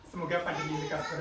semoga pandemi tidak terlalu